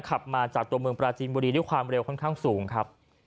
ขับมาจากตัวเมืองปราจีนบุรีด้วยความเร็วค่อนข้างสูงครับ